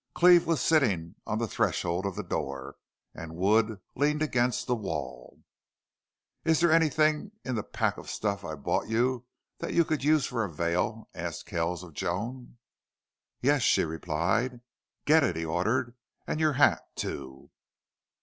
Cleve was sitting on the threshold of the door and Wood leaned against the wall. "Is there anything in the pack of stuff I bought you that you could use for a veil?" asked Kells of Joan. "Yes," she replied. "Get it," he ordered. "And your hat, too."